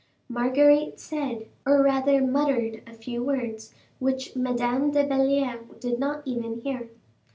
Marguerite said, or rather muttered a few words, which Madame de Belliere did not even hear.